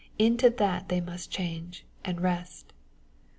Into that they must change, and rest."